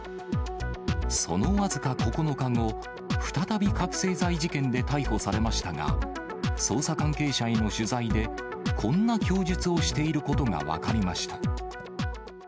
その僅か９日後、再び覚醒剤事件で逮捕されましたが、捜査関係者への取材で、こんな供述をしていることが分かりました。